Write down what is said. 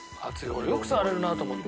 俺よく触れるなと思って。